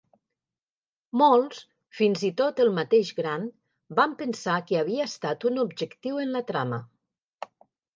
Molts, fins i tot el mateix Grant, van pensar que havia estat un objectiu en la trama.